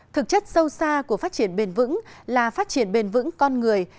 thực chất sâu xa của phát triển bền vững là phát triển bền vững con người